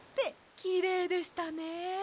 きれいでしたね。